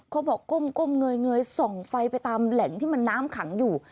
เขาบอกก้มเงยส่องไฟไปตามแหล่งที่มันน้ำขังอยู่